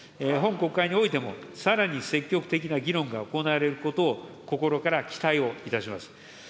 本国会においても、さらに積極的な議論が行われることを心から期待をいたします。